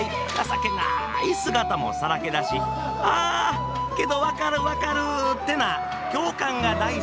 情けない姿もさらけ出し「あけど分かる分かる」ってな共感が大事やねん。